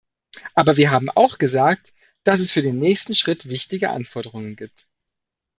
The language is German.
Aber wir haben auch gesagt, dass es für den nächsten Schritt wichtige Anforderungen gibt.